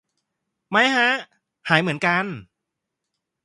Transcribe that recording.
ไม่ฮะ หายเหมือนกัน